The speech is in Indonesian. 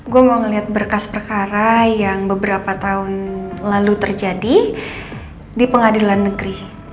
gue mau ngeliat berkas perkara yang beberapa tahun lalu terjadi di pengadilan negeri